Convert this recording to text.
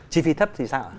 chi phí thấp thì sao